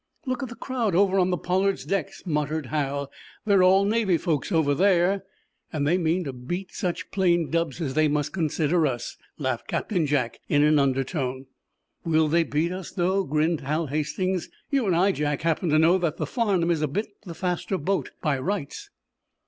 "Look at the crowd over on the 'Pollard's' decks," muttered Hal. "They're all Navy folks over there." "And they mean to beat such plain 'dubs' as they must consider us," laughed Captain Jack, in an undertone. "Will they beat us, though?" grinned Hal Hastings. "You and I, Jack, happen to know that the 'Farnum' is a bit the faster boat by rights."